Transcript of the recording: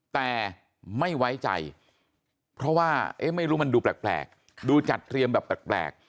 แต่ไม่ไว้ใจเพราะว่าไม่รู้มันดูแปลกดูจัดเตรียมแบบแปลก